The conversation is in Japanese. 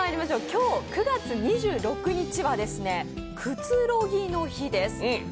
今日９月２６日はくつろぎの日です。